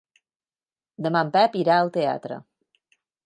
Demà en Pep irà al teatre.